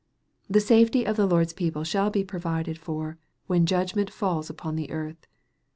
The safety of the Lord's people shall be provided for, when judgment falls upon the earth.